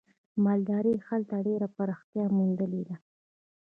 مالدارۍ هلته ډېره پراختیا موندلې ده.